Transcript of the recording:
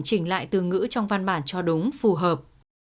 chỉnh lại từ ngữ trong văn bản cho đúng phù hợp